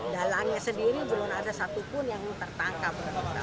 dalangnya sendiri belum ada satupun yang tertangkap